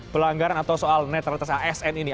pelanggaran atau soal netralitas asn ini